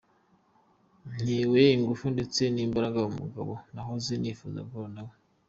Ntewe ingufu ndetse n’imbaraga n’umugabo nahoze nifuza guhura nawe.